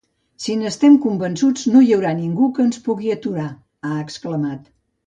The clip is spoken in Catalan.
Si n’estem convençuts, no hi haurà ningú que ens pugui aturar –ha exclamat–.